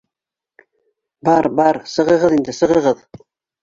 — Бар, бар, сығығыҙ инде, сығығыҙ!